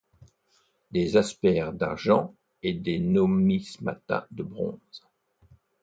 Des aspers d'argent et des nomismata de bronze.